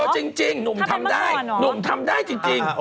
จริงหนุ่มทำได้หนุ่มทำได้จริง